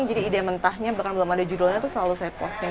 jadi ide mentahnya bahkan belum ada judulnya tuh selalu saya posting